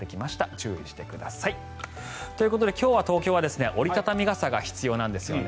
注意してください。ということで今日は東京は折り畳み傘が必要なんですね。